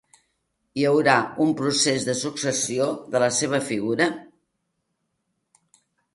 Hi haurà un procés de successió de la seva figura?